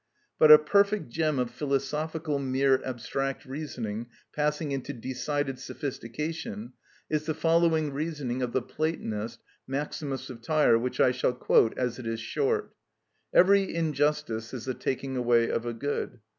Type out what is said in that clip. But a perfect gem of philosophical mere abstract reasoning passing into decided sophistication is the following reasoning of the Platonist, Maximus of Tyre, which I shall quote, as it is short: "Every injustice is the taking away of a good.